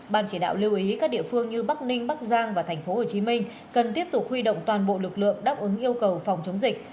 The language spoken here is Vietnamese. ban chỉ đạo lưu ý các địa phương như bắc ninh bắc giang và tp hcm cần tiếp tục huy động toàn bộ lực lượng đáp ứng yêu cầu phòng chống dịch